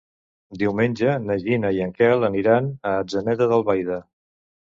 Diumenge na Gina i en Quel aniran a Atzeneta d'Albaida.